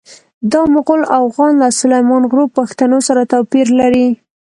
دا مغول اوغان له سلیمان غرو پښتنو سره توپیر لري.